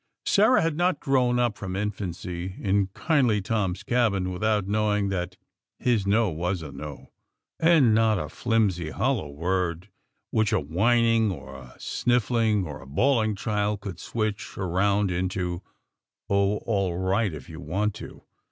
Sarah had not grown up from infancy in kindly Tom's cabin without knowing that his "no" was a "no!!" and not a flimsy, hollow word which a whining, or a sniffling, or a bawling child could switch around into: "Oh, all right, if you want to."